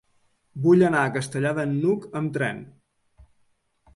Vull anar a Castellar de n'Hug amb tren.